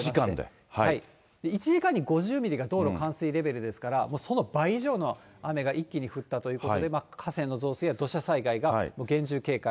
１時間に５０ミリが道路冠水レベルですから、その倍以上の雨が一気に降ったということで、河川の増水や土砂災害が厳重警戒。